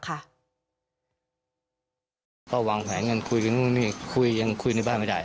พวกเราวางแผงกันคุยกันคุยยังคุยในบ้านไม่ได้